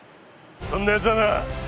そんなやつはな